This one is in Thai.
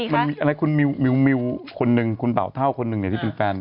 มีคุณมิวคนหนึ่งคุณเป๋าเท่าคนหนึ่งเนี่ยที่เป็นแฟน